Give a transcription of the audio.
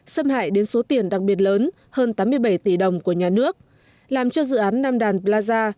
xâm hại đến số tiền đặc biệt lớn hơn tám mươi bảy tỷ đồng của nhà nước làm cho dự án nam đàn plaza